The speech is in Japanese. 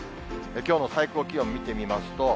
きょうの最高気温見てみますと。